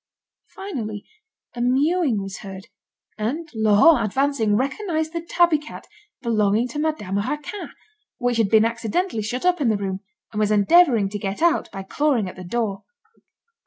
Finally, a mewing was heard, and Laurent advancing, recognised the tabby cat belonging to Madame Raquin, which had been accidentally shut up in the room, and was endeavouring to get out by clawing at the door.